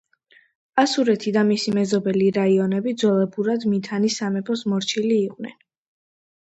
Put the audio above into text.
ასურეთი და მისი მეზობელი რაიონები ძველებურად მითანის სამეფოს მორჩილი იყვნენ.